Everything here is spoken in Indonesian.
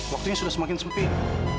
waktunya sudah semakin sempit